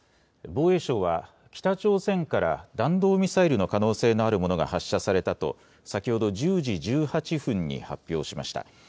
防衛省は北朝鮮から弾道ミサイルの可能性のあるものが発射されたと先ほど１０時１８分に発表しました。